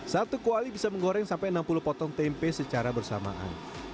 satu kuali bisa menggoreng sampai enam puluh potong tempe secara bersamaan